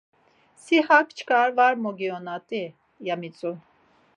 Si hak çkar var mogionat̆i!” ya mitzu.